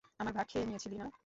আমার ভাগ কেয়ে নিয়েছিলি না?